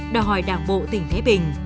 đòi hỏi đảng bộ tỉnh thái bình